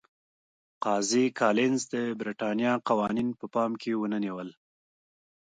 قاضي کالینز د برېټانیا قوانین په پام کې ونه نیول.